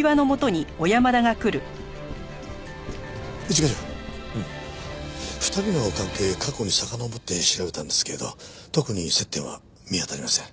一課長２人の関係を過去にさかのぼって調べたんですけれど特に接点は見当たりません。